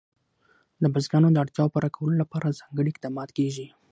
د بزګانو د اړتیاوو پوره کولو لپاره ځانګړي اقدامات کېږي.